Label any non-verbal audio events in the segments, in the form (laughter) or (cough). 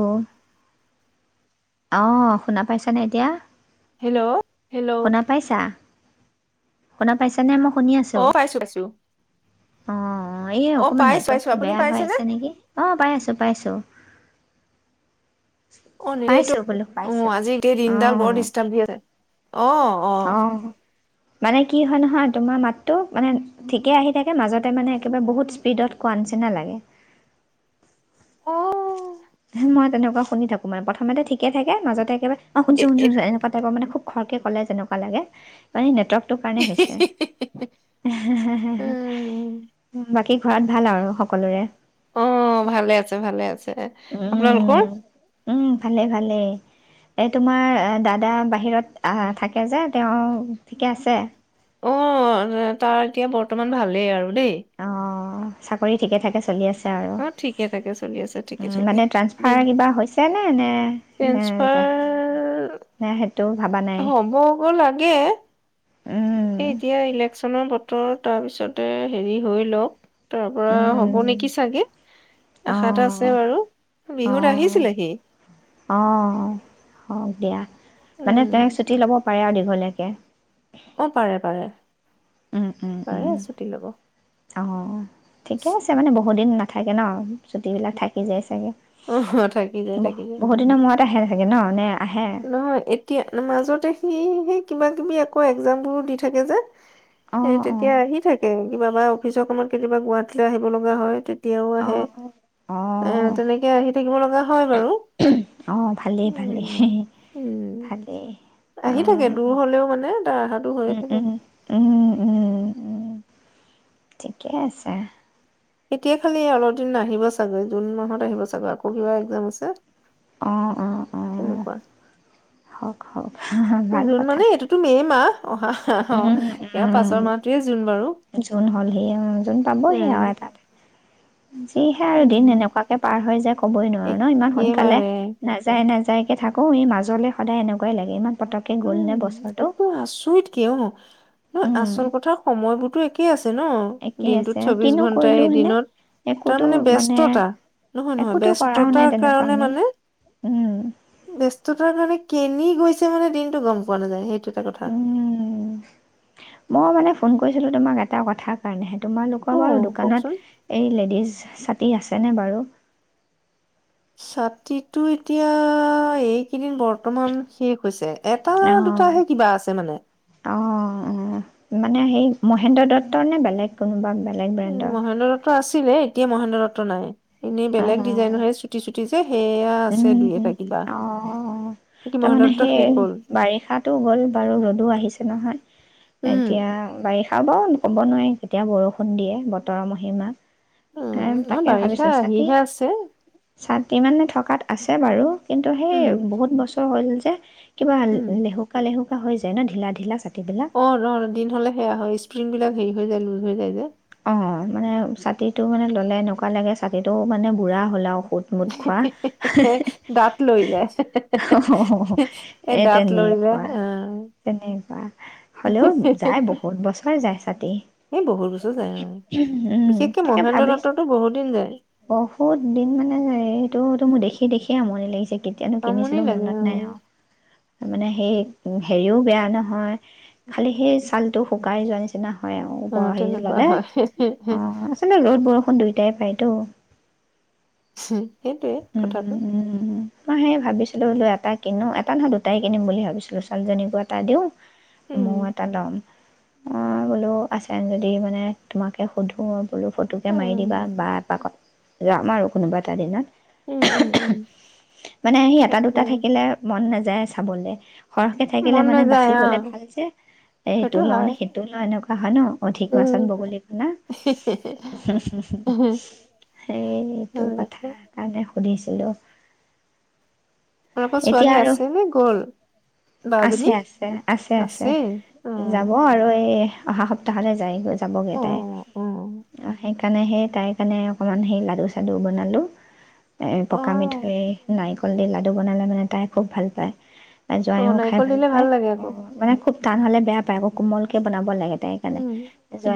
অ'। অ' শুনা পাইছনে এতিয়া? হেল্ল'! হেল্ল'! শুনা পাইছা শুনা পাইছানে মোক? শুনি আছো। অ পাইছো পাইছো অ' এই অ অকমান পাইছো পাইছো নেটৱৰ্কটো আপুনি বেয়া হৈ পাইছেনে আছে নেকি? অ' পাই আছো পাইছো। অ' সেইটো বোলো অ' পাইছোঁ আজি গোটেই দিনডাল বৰ অঁ ডিষ্টাব দি আছে। অ' অ'। অঁ মানে কি হয় নহয়, তোমাৰ মাতটো মানে ঠিকেই আহি থাকে। মাজতে মানে একেবাৰে বহুত স্পীডত কোৱা নিচিনা লাগে। অ'। মই তেনেকুৱা শুনি থাকো মানে। প্ৰথমতে ঠিকে থাকে মাজতে একেবাৰে অ' শুনিছো এ শুনিছো এ শুনিছো এনেকুৱা টাইপৰ মানে খুব। খৰকে ক'লে যেনেকুৱা লাগে মানে নেটৱৰ্ক। টো কাৰণে হৈছে, হে হে হে। উম বাকী, ঘৰত ভাল আৰু সকলোৰে? অ' ভালে আছে ভালে আছে। আপোনালোকৰ উম উম, ভালে ভালে। এ তোমাৰ দাদা বাহিৰত আহ থাকে যে তেওঁ ঠিকে আছে অ তাৰ এতিয়া বৰ্তমান ভালেই আৰু দেই অ', চাকৰি ঠিকে থাকে চলি আছ অ ঠিকে থাকে চলি আছে ঠিকে থাকে মানে বি ট্ৰান্সফাৰ কিবা হৈছে নে নে নে ট্ৰেন্সফাৰ নে সেইটো ভাবা নাই? হ'ব ক লাগে উম এই এতিয়া ইলেক্যনৰ বতৰ তাৰপিছতে হেৰি হৈ লওক তাৰ পৰা হ'ব উম, নেকি চাগে আশা এটা আছে অ', বাৰু বিহুত অ', আহিছিলে সি অ হওক দিয়া মানে উম তাই চুটি ল'ব পাৰে আৰু দীঘলীয়কৈ অ পাৰে পাৰে উম উম উম টিক হব' (unintelligible) অ'। ঠিকে আছে মানে বহুত দিন নাথাকে ন চুটি বিলাক থাকি যায় চাগে অ থাকি যায় ব থাকি যায় বহুত দিনৰ মূৰত আহে থাকে ন নে আহে নহয় এতিয়া মাজতে সি সেই কিবাকিবি আকৌ এক্জামবোৰো দি থাকে যে অ এ অ তেতিয়া আহি থাকে কিবা বা অফিচৰ কামত কেতিয়াবা গুৱাহাটীলৈ আহিব লগা হয় এতিয়াও অ আহে অ এ তেনেকে আহি থাকিব লগা হয় বাৰু অ ভালেই ভালেই উম ভালেই অ আহি থাকে দূৰ হলেও মানে তাৰ অহাটো হৈয়ে উম থাকে উম উম উম উম ঠিকে আছে এতিয়া খালি অলপ দিন নাহিব চাগৈ জুন মাহত আহিব চাগৈ আকৌ কিবা এক্জাম আছে অ অ অ তেনেকুৱাই হওক হওক ভাল জুন কথা মানে এইটোতো মে' মাহ অহা (unintelligible) উম ইয়াৰ উম পাছৰ মাহটোৱে জুন বাৰু জুন হ'ল সি উম জুন পাবহি উম আৰু এ তাত যিহে আৰু দিন উম এনেকোৱাকে পাৰ হয় যায় ক'বই নোৱাৰো ন, ইমান সোনকালে একেবাৰে নাযায় নাযায় যাইকে থাকো এই মাজলৈ সদায় এনেকুৱাই লাগে ইমান পতককে গ'ল নে উম বছৰটো একোৱে আচৰিত কিয় নহ উম আচল কথা সময়বোৰতো একেই আছে ন একেই দিনটোত আছে চৌবিশ কিনো ঘন্টাই কৰিলো হয়নে এদিনত তাৰ মানে ব্যস্ততা, নহয় নহয়, একোতো কৰাও নাই ব্যস্ততাৰ তেনেকুৱা কাৰণে আমি মানে উম ব্যস্ততাৰ কাৰণে কেনি গৈছে মানে দিন গম পোৱা নযায় সেইটো সেইটোৱেইটো কথা উম কৈছিলোঁ তোমাক এটাৰ কাৰণে হে অ তোমালোকৰ বাৰু কওকচোন দোকানত এই লেডিজ আছেনে বাৰু ছাতিটো এতিয়া এইকেইদিন বৰ্তমান শেষ হৈছে এটা অঁ দুটাহে কিবা আছে মানে অ মানে হে মহেন্দ্ৰ দত্তৰ নে বেলেগ কোনোবা? বেলেগ ব্ৰেণ্ডৰ? ছিলে এতিয়া মহেন্দ্ৰ দত্ত নাই এনেই অঁ বেলেগ ডিজাইন হে চুটি চুটি যে সেয়া উম আছে দুই এটা কিবা অ বাকী মহেন্দ্ৰ তাৰমানে দত্ত শেষ সেই হ'ল বাৰিষাটো গ'ল বাৰু ৰ'দো আহিছে নহয় উম এতিয়া বাৰিষা খা বও ক'ব নোৱাৰি যেতিয়া বৰষুণ দিয়ে বতৰৰ মহিমা উ এ ন তাকে বাৰিষা আহিহে আছে ইমানে থকা তাত আছে বাৰু কিন্তু সেই উম বহুত বছৰ হ'ল এ কিবা উম লেহুকা লেহুকা হৈয়ায় ন ঢিলোকা ঢিলোকা চাক অ নহ দিন হলে সেয়া হয় স্প্ৰিংবিলাক হেৰি হৈ যায় লুজ হৈ যায় যে অ মানে ছাতিটো মানে ল'লে এনেকুৱা লাগে ছাতিটো মানে বুঢ়া হ'ল আৰু কটমোট খোৱা দাঁত লৰি যায় এই এ দাঁত লৰি যায় তেনেকুৱা অ তেনেকুৱা হ'লেও যাই বহুত বছৰ যাই কাটি এই বহুত বছৰ যায় অ উম বিশেষকে তাকে মহেন্দ্ৰ ভাবিছো দত্ততো বহুত দিন যায় বহুত দিন মানে এইটো মোৰ দেখি সেই দেখিয়েই আমনি লাগিছে কেতিয়ানো আমনি কিনিছিলো লাগে মনত অ নাই আৰু মানে সেই উ হেৰিও বেয়া নহয় খালি সেই ছালটো শুকাই যোৱা নিচিনা হয় হয় অহ অ ওপৰৰ সেই তেনেকুৱা হয় অ আছিলে ৰ'দ বৰ খন দুয়োটাই পায়তো সেইটোৱে কথাটো মই সেই ভাবিছিলো বোলো এটা কিনো এটা নহয় দুটাই কিনিম বুলি ভাবিছিলোঁ ছোৱালীজনীকো এটা দিওঁ উম মৌ এটা লম অ বোলো আছে যদি মানে তোমাকে সুধো আৰু বোলো ফটো কে উম মাৰি দিবা বা এপাকত যাম আৰু কোনোবা এটা দিনত উম উম উম মানে সেই এটা তাকে দুটা থাকিলে মন নাযা যায় চাবলে সৰহকে থাকিলে মন মানে নাযায় বাচিবলে আহ ভাল যে এ এইটো সেইটো ল‌ওঁ নে হয় সেইটো ল‌ওঁ এনেকুৱা কা হয় ন অধিক মাছত উম ছত বগলী কণা হুম্ হুম্ হুম্ সেইটো হয় কথা আকৌ। তাতে সুধিছিলোঁ আপোনালোকৰ এতিয়া ছোৱালী আৰু আছে নে গ'ল বা জনী আছে আছে আছে আছে অ যাব আৰু এই অহা সপ্তাহলৈ যায় গৈ যাবগৈ অ তাই অ সেইকাৰ কাৰণে সেই তাই কাৰণে অকমান সেই লাডু চাডু বনালো এ অ পকা মিঠৈ নাৰিকল দি লাডু টো বনালে মানে তাই খুব ভাল পায় তাইৰ অ জোৱায়েও খাই নাৰিকল ভাল দিলে পায় লাগে অ আকৌ অ মানে খুব টান হ'লে বেয়া পায় ক কোমলকে বনাব লাগে তাইৰকাৰণে উম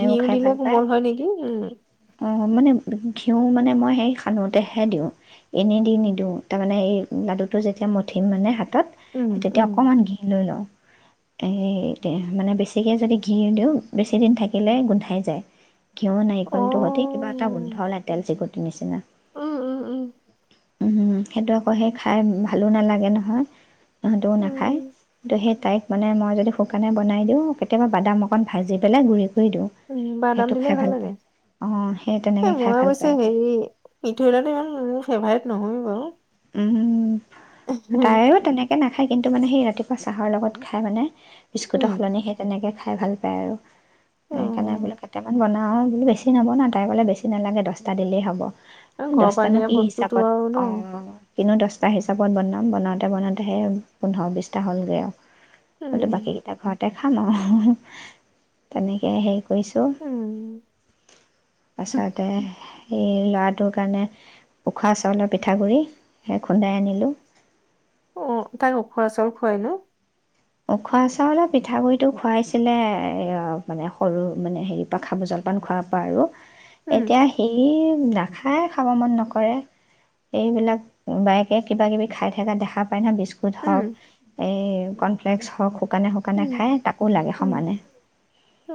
ঘিউ দিলে কোমল হয় নেকি উম মই মানে ঘিউ মানে মই সেই সানোতেহে দিওঁ এনে দি নিদিওঁ তাৰমানে এই লাডুটো যেতিয়া মঠিম মানে হা তত উম তেতিয়া উম অকণমান ঘি লৈ লওঁ এ মানে বেছিকে যদি ঘি দিওঁ বেছি দিন থাকি কিলে গোন্ধাই যায় ঘিউ নাৰিকলটো প্ৰতি কিবা এটা অ গোন্ধ উলায় তেল চিগু তি নিচিনা উম উম উম উমম সেইটো আকৌ সেই খাই ভালো নালাগে নহয় তাহঁতেও নাখায় উম তো সেই তাইক মানে মই যদি শুকানে বনাই দিওঁ কেতিয়াবা বাদাম অকণ ভাজি পেলাই গুৰি উম্ বাদাম দিলে ভাল লাগে অঁ সেই এই তেনেকৈ খাই মই ভাল অৱশ্যে পায় তাই হেৰি মিঠৈ লাডু ভাল বাৰু মোৰ ফেভাৰেট নহয়ো বাৰু উম তাইও তেনেকে এক একে নাখায় খায় কিন্তু মানে সেই ৰাতিপুৱা চাহৰ লগত খাই মানে বিস্কুটৰ উম সলনি সেই তেনেকে খাই ভাল পায় আৰু অ সেইকাৰণে বোলে কেইটামান বনাই খাওঁ বোলি বেছি নৱনাই তাই ক'লে বেছি নালাগে দহটা দিলেই হ'ব ঘৰ পানীয়া বস্তুতো আৰু ন কিন্তু দহটা হিচাপত বনাম বনাওঁতে বনাওঁতেহে পোন্ধৰ বিছটা হ'লগৈ উম আৰু বাকীকেইটা ঘৰত দেখাম আৰু তেনেকে হেই কৰিছোঁ উম তাৰপাছতে সেই ল'ৰাটোৰ কাৰণে উখোৱা চাউলৰ পিঠাগুড়ি সেই খুন্দাই আনিলোঁ। অ' তাক উখোৱা চাউল খুৱাই ন? অ' খোৱা চাউলৰ পিঠাগুড়িটো খুৱাইছিলে এ মানে সৰু মানে হেৰি পৰা খাব জলপান খোৱাৰ পৰা আৰু। উম এতিয়া সি নাখায় খাব মন নকৰে এইবিলাক বায়েকে কিবা কিবি খাই থকা দেখা পাইনা বিস্কুট উম হওক এ কণ ফ্লেকস খোৱা খব শুকানে শুকানে উম খায় তাকো লাগে উম সমানে। অ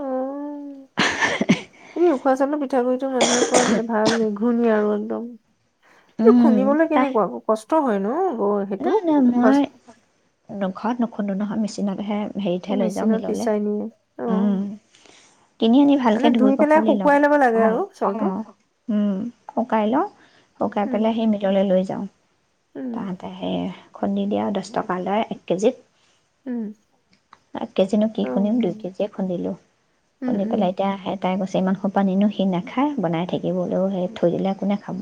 (unintelligible) কি উখোৱা চাউলৰ পিঠাগুৰি মানুহে কয় বোলে ভাল নেকি? শুনি আৰু একদম এইটো খুন্দিবলৈ কেনেকুৱ কষ্ট হয় ন? ব সেইটো নাই নাই উখোৱা মই ঘৰত নখ খুন্দু নহয় মেচিনাতহে হেৰিতহে চাউল লৈ যাওঁ মেচিনত মিললৈ পিচাই নিয়ে অ কিনি আনি মানে ভালকৈ ধুই পেলাই পখালি লওঁ শুকুৱাই ল'ব লাগে অ' আৰু চাউলটো। অ' শুকাই লওঁ শুকাই উম, পেলাই সেই মিললৈ লৈ যাওঁ উম, তা এই, খুন্দি দিয়া দচ টকা লয়, এক কেজিত। উম। এক কেজিনো কি অ', খুন্দিম দুই কেজিয়ে খুন্দিলো, উম, খুন্দি উম। পেলাই এতিয়া (unintelligible) চি ইমানসোপা নিনো, সি নাখায় বনাই থাকিব লৈয়ো থৈ দিলে কোনে খাব?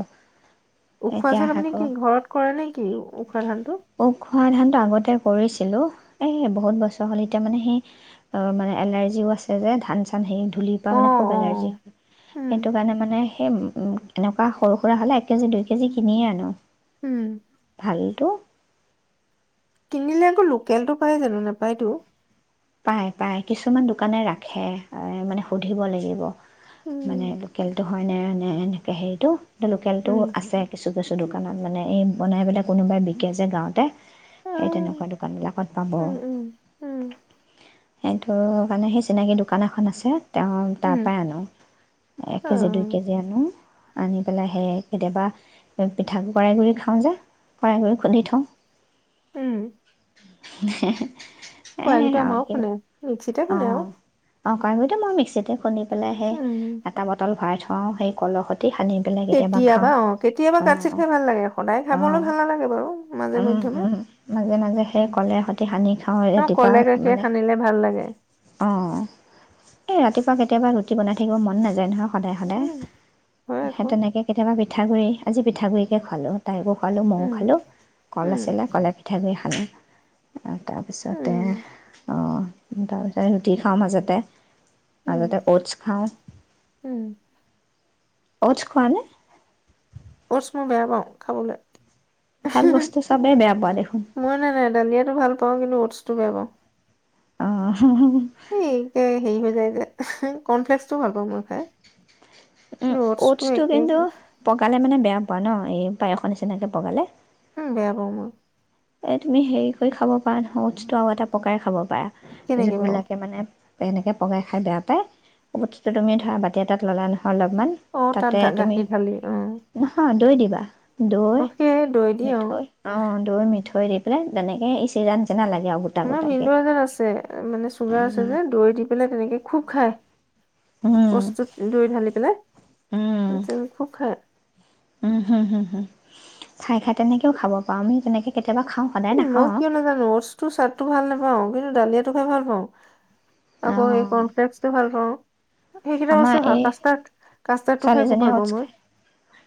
উখোৱা এতিয়া চাউল আপুনি আকৌ কি ঘৰত কৰে নে, কি? উখোৱা ধানটো? উখোৱা ধানটো আগতে কৰিছিলোঁ, এই বহুত বচ হ'লে এতিয়া মানে সেই অ', মানে এলাৰ্জিও আছে যে ধান, চান হেয়ি ধূলিৰ পৰা অ', মানে খুব এলাৰ্জি অ', হয়, উম, সেইটো কাৰণে মানে সেই এনেকুৱা সৰু সুৰা হ'লে এক কেজি, দুই কেজি কিনিয়ে আনো। উম। ভালটো। কিনিলে আকৌ লোকেলটো পায় জানো নাপায়তো? পাই, পাই কিছুমান দোকানে ৰাখে এ, মানে সুধিব লাগিব। উম, মানে লোকেলটো হয়নে, নে এনেকে হেয়িটো লোকেলটো উম, আছে কিছু কিছু, কিছু দোকানত মানে এই বনাই পেলাই কোনোবাই বিকি যে, গাঁৱতে। সেই অ', তেনেকুৱা দোকানবিলাকত পাব। উম, উম, উম, সেইটো মানে সেই চিনাকি দোকান এখন আছে। তেওঁ উম, তাৰপাই আনোঁ, এক কেজি, দুই অ', কেজি আনোঁ। আনি পেলাই সেই কেতিয়াবা পিঠাকৰা়ই গুড়ি খাওঁ যে কৰাইগুৰি খুন্দি থওঁ। উম। (unintelligible) এই কড়াহীটো আমাৰো আৰু খুন্দে মিক্সিতে খুন্দে আৰু অ' কৰাই গুড়িটো মই মিক্সিতে খোন্দি পেলায় হেই উম, এটা বটল ভৰাই থওঁ। অ' সেই কল সৈ কেতিয়াবা অ' কেতিয়াবা কাঠ অঁ চিত খাই ভাল লাগে, সদায় খাবলৈ অঁ ভাল নালাগে বাৰু মাজে উম মধ্যমে উম মাজে মাজে সেই কলে সৈতে অ' ক'লে গাখীৰ খানিলে। অ' এই ৰাতিপুৱা কেতিয়াবা কেতিয়াবা ৰুটি বনাই থাকিব মন নযায় নহয়। সদায়, সদায় উম, হয় সেই আকৌ। তেনেকে কেতিয়াবা পিঠাগুৰি আজি পিঠাগুৰিকে খোৱালো। তাইকো খোৱালো ময়ো উম, খালোঁ কল উম, আছিলে কলে পিঠাগুৰিয়ে হা আনে আ তাৰ পিছতে উম, অ তাৰপিছতে ৰুটি খাওঁ মাজতে। উম, আগতে অ'টছ খাওঁ। উম। অটছ খোৱানে? অটছ মই বেয়া পাওঁ খাবলে। ভাল বস্তু চবেই বেয়া পোৱা দেখোন মই নাই নাই দালিয়াটো ভাল পাওঁ কিন্তু উ'টছ টো বেয়া পাওঁ। অঁ সেই কে হেৰি হৈ যায় যে। কৰ্ণফ্লেক্সটো ভাল পাওঁ মই খাই। উম। কিন্তু অটছটো উ'টছটো একে কিন্তু পগালে মানে বেয়া পোৱা ন এ পায়সৰ নিচিনাকে পগালে? উম বেয়া মই। এ তুমি হেৰি কৰি খাব পাৰা নহয় উ'টছটো আৰগতে পকাই খাব পায়া কেনেকে বাৰু? জিববিলাকে মানে এনেকে পগাই খাই বেয়া পাই বস্তুটো তুমি ধৰা বাতি এটাত ল'লা নহ অলপমান অ' তাত তাতে ধা- তুমি গাখীৰ ঢালি অ' নহয় দৈ দিবা। দৈ, অ' সেই দৈ দি অ'। মিঠৈ অ' দৈ মিঠৈ। দৈ দি পেলাই তেনেকে এই (unintelligible) লাগ আমাৰ ভিনদেও এজন আছে মানে চুগাৰ আছে উম, যে দৈ দি পেলাই তেনেকে খুব খাই উম, বস্তুত দৈ ঢালি পেলাই উম, (unintelligible) খুব খায়। খায়, খায় তেনেকেও খাব পাওঁ আমি তেনেকে কে উম, মই কিয় নাজানো ওটচ্‌টোৰ স্বাদটো ভাল নাপাওঁ কিন তু ডালিয়াটো খাই ভাল পাওঁ। আকৌ এই অ', কৰ্ণফ্লেস্কটো ভাল পাওঁ। সেইকেইটা আমাৰ বস্তুয়ে হয় এই কাষ্টাৰ্ড কাষ্টাৰ্ডটো খাই খুব ছোৱালীজনীয়ে ভাল পাওঁ ওটচ্‌ মই খাই,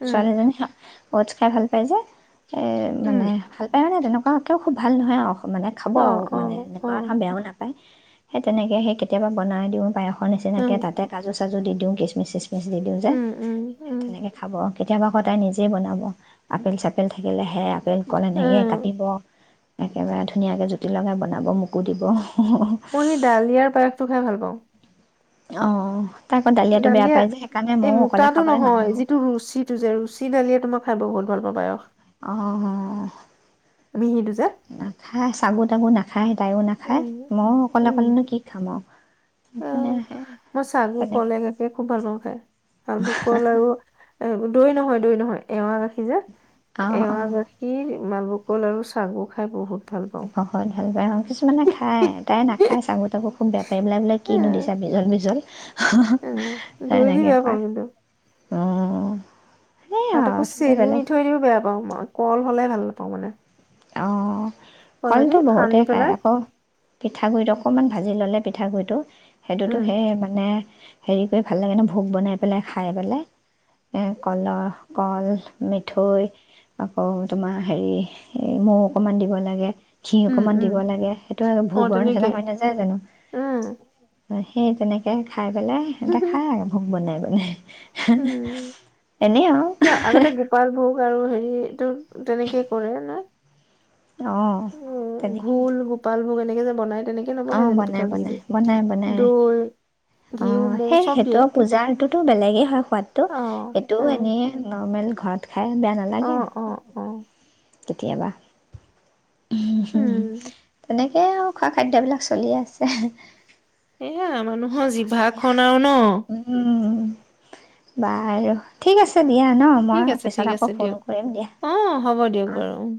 উম ছোৱালীজনীয়ে ওটচ্‌ খাই ভাল পায় যে। এ উম মানে ভাল পায় নে তেনেক (unintelligible) খুব ভাল নহয় আৰু। মানে খাব অ আৰু অ মানে অ এনেকুৱা এটা বেয়াও নাপায়। সেই তেনেকে সেই কেতিয়াবা বনাই দিওঁ পায়স। সৰ উম নিচিনাকে তাতে কাজু চাজু দি দিওঁ তেওঁ কিছমিছ চিছমি দি দিওঁ যে, উম উম সে উম তেনেকে খাব কেতিয়াবা সদায় নিজেই বনাব, আপেল চাপেল থাকিলে সেয়া ফেন কলে নেসেইয়ে উম কাটিব। একেবাৰে ধুনীয়াকে জুতি লগাই বনাব মোকো দিব। মই সেই ডালিয়াৰ পায়সটো খাই ভাল পাওঁ। (unintelligible) অ। তাই আকৌ দালিয়াটো বেয়া দালিয়া পাই যে সেইকাৰণে এই ময়ো অকলে মোতাটো খাবলৈ নানো নহয় যিটো ৰুচিটো যে ৰুচী দালিয়ে তোমাক খাই বহুত ভাল পাওঁ পায়স। অ মিহিটো যে নাখাই চাগু তাগু নাখ খায় তাইয়ো নাখায় উম মইয়ো অকলে উম অকলেনো কি খাম আও অ', সেইকাৰণে মই চালবোৰ তেনেক কলে গাখীৰ খুব ভাল পাওঁ খাই। চালভোগ কল আৰু এ দৈ নহয় দৈ নহয় এৱা গাখীৰ যে অ অ এৱাৰ গাখীৰ মালভোককল আৰু চাবোক খাই বহুত ভাল পাওঁ। (unintelligible) কিছুমানে খায় তাই নাখায় চাগু তাকু খুব বেয়া বোলে বোলে এ কিনো দিছে বিজল বিজল এ ধৰি দিব পাম কিন্ত অঁ অঁ ত আকৌ চেনি মিঠৈ ও বেয়া পাওঁ মই কল হ'লে ভাল ল হ'ব নে অঁ কলটো বহুতে খাই পেলাই আকৌ পিঠাগুৰিত অকমান ভাজি ল'লে পিঠাগুড়ি টো সেইটোতো উম, সেই মানে হেৰি কৰি ভাল লাগে ন ভোক বনাই পেলাই খাই পেলাই এ কলৰ কল মিঠৈ আকৌ তোমাৰ হেৰি সেই মৌ অকমান দিব লাগে ঘি উম, অকমান উম, দিব লাগে সেইটো অ', ভোগৰ তেনেকে নিচিনা হৈ নাযায় জানো উম, হয় সেই তেনেকৈ খাই পেলাই সিহঁতে খাই আৰু ভোক বনাই পেলাই আঁ উম, হ এনেই আৰু কিয় আগতে গোপাল ভোগ আৰু হেৰিটো তেনেকে কৰে ন অঁ উ তেনেকৈ ঘোল গোপাল ভোগ তেনেকৈ যে বনায় অঁ বনাই বনাই বনাই বনাই দৈ, ঘিউ, অঁ মৌ সেই চব দিয়ে। সেইটো পূজাৰটোতো বেলেগে হয় সোৱাদতটো অ', এইটোও উম, এনেই নৰ্মেল ঘাট খাই বেয়া নালাগে অ', অ', অ', কেতিয়াবা উম। তেনেকৈ হে আৰু খোৱা খাদ্যবিলাক চলি আছে এয়া মানুহৰ এতিয়া। জিভাখন আৰু ন উম, বাৰু ঠিক আছে দিয়া ন ঠিক মই আছে, ঠিক পিছত আকৌ আছে ফোন দিয়ক। কৰিম দিয়া অ', হ'ব দিয়ক অঁ বাৰু উম।